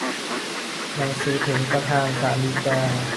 หนังสือถึงประธานศาลฎีกา